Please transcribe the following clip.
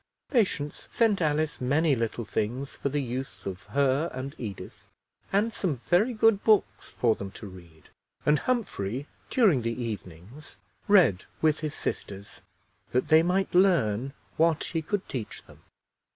Patience sent Alice many little things for the use of her and Edith, and some very good books for them to read; and Humphrey, during the evenings, read with his sisters, that they might learn what he could teach them.